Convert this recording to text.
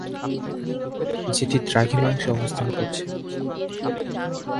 যেটি দ্রাঘিমাংশে অবস্থান করছে।